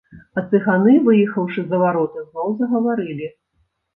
А цыганы, выехаўшы за вароты, зноў загаварылі.